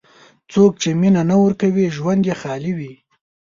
څوک چې مینه نه ورکوي، ژوند یې خالي وي.